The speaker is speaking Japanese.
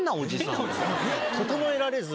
整えられず。